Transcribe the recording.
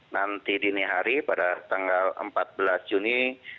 nanti dini hari pada tanggal empat belas juni dua ribu tujuh belas